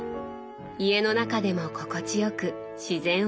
家の中でも心地よく自然を感じたい。